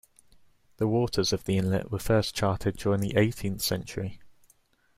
The waters of the inlet were first charted during the eighteenth century.